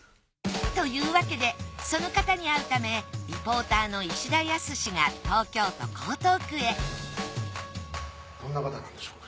というわけでその方に会うためリポーターの石田靖が東京都江東区へどんな方なんでしょうか。